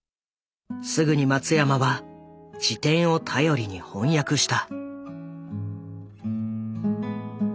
すぐに松山は辞典を頼りに翻訳した。